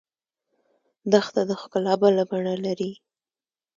دښته د ښکلا بله بڼه لري.